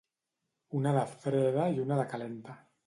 Una de freda i una de calenta.